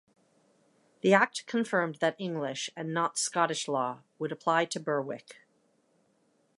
The Act confirmed that English and not Scottish law would apply to Berwick.